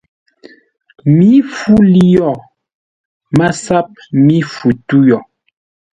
Mǐ fu li yo! MASAP mí fu tû yo.